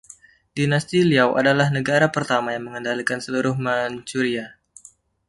Dinasti Liao adalah negara pertama yang mengendalikan seluruh Manchuria.